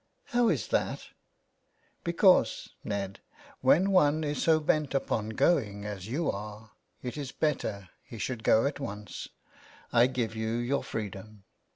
"How is that?'' " Because, Ned, when one is so bent upon going as you are it is better he should go at once. I give you your freedom.